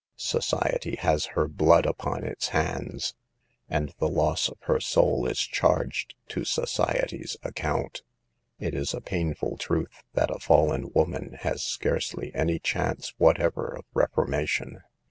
Society has her blood upon its hands, and the loss of her soul is charged to society's account. It is a painful truth that a fallen woman has scarcely any chance whatever of reforma tion.